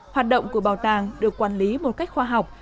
hoạt động của bảo tàng được quản lý một cách khoa học